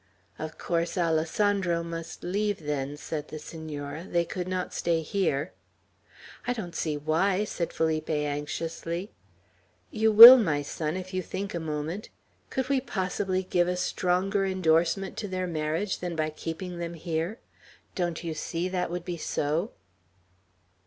"Of course, Alessandro must leave us, then," said the Senora. "They could not stay here." "I don't see why!" said Felipe, anxiously. "You will, my son, if you think a moment. Could we possibly give a stronger indorsement to their marriage than by keeping them here? Don't you see that would be so?"